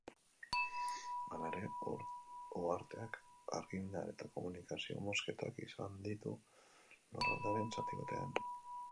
Hala ere, uharteak argindar eta komunikazio mozketak izan ditu lurraldearen zati batean.